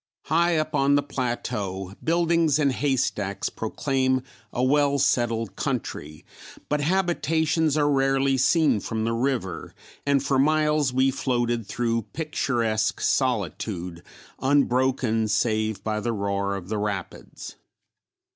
High up on the plateau, buildings and haystacks proclaim a well settled country, but habitations are rarely seen from the river and for miles we floated through picturesque solitude unbroken save by the roar of the rapids.